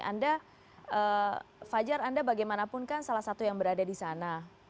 anda fajar anda bagaimanapun kan salah satu yang berada di sana